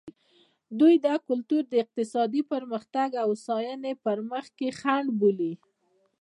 دوی دا کلتور د اقتصادي پرمختګ او هوساینې په مخ کې خنډ بولي.